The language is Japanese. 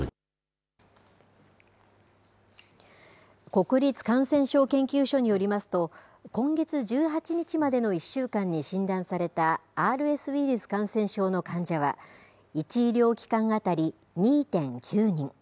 国立感染症研究所によりますと、今月１８日までの１週間に診断されたＲＳウイルス感染症の患者は、１医療機関当たり２．９人。